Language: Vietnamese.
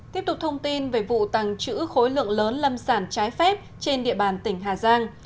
tiếp tục thông tin về vụ tàng trữ khối lượng lớn lâm sản trái phép trên địa bàn tỉnh hà giang